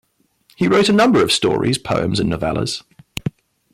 He wrote a number of stories, poems and novellas.